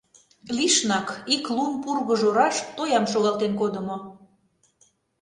Лишнак ик лум пургыж ораш тоям шогалтен кодымо.